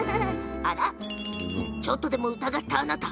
ちょっとでも疑ったあなた！